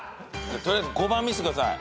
取りあえず５番見せてください。